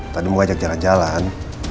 tadi mau ajak jalan jalan